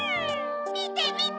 みてみて！